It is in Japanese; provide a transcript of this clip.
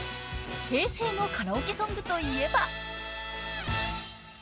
［平成のカラオケソングといえば］